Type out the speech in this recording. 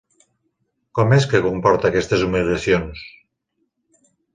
Com és que comporta aquestes humiliacions?